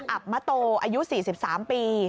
อับมะโตอายุ๔๓ปี